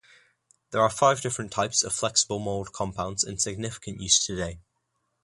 There are five different types of flexible mold compounds in significant use today.